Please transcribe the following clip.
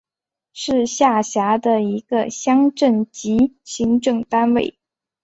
是下辖的一个乡镇级行政单位。